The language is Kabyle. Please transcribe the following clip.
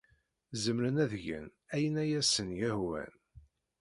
Zemren ad gen ayen ay asen-yehwan.